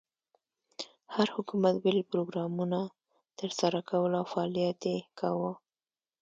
هر حکومت بېل پروګرامونه تر سره کول او فعالیت یې کاوه.